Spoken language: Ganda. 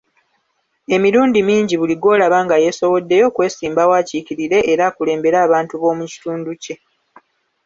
Emirundi mingi buli gwolaba nga yeesowoddeyo okwesimbawo akiikirire era akulembere abantu b'omukitundu kye.